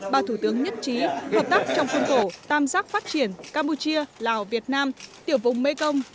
ba thủ tướng nhất trí hợp tác trong khuôn khổ tam giác phát triển campuchia lào việt nam tiểu vùng mekong